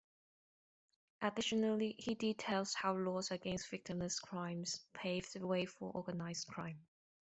Additionally, he details how laws against victimless crimes paved the way for organized crime.